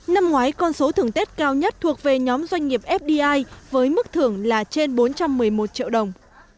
năm ngoái con số thưởng tết cao nhất thuộc về nhóm doanh nghiệp fdi với mức thưởng là trên bốn trăm một mươi một triệu đồng